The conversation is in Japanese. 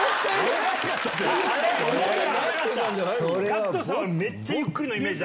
ＧＡＣＫＴさんはめっちゃゆっくりのイメージ。